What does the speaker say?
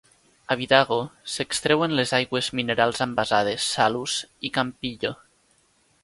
A Vidago s'extreuen les aigües minerals envasades "Salus" i "Campilho"